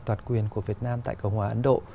toàn quyền của việt nam tại cộng hòa ấn độ